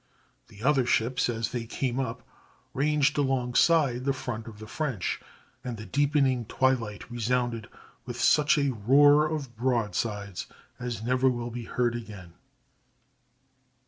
The other ships, as they came up, ranged alongside the front of the French, and the deepening twilight resounded with such a roar of broadsides as never will be heard again.